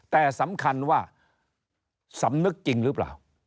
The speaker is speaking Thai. แต่สำคัญว่าสำนึกจริงหรือเปล่า